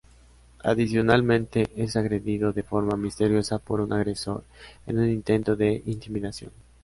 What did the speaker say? Adicionalmente es agredido de forma misteriosa por un agresor en un intento de intimidación.